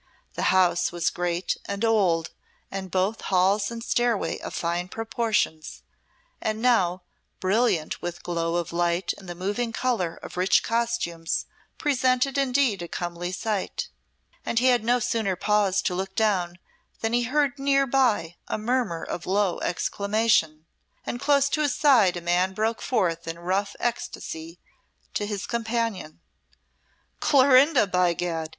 The house was great and old, and both halls and stairway of fine proportions, and now, brilliant with glow of light and the moving colour of rich costumes, presented indeed a comely sight. And he had no sooner paused to look down than he heard near by a murmur of low exclamation, and close at his side a man broke forth in rough ecstacy to his companion. "Clorinda, by Gad!"